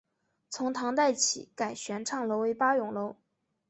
从唐代起改玄畅楼为八咏楼。